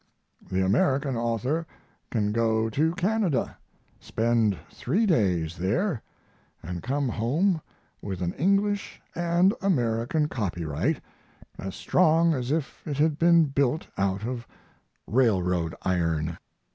The American author can go to Canada, spend three days there and come home with an English and American copyright as strong as if it had been built out of railroad iron."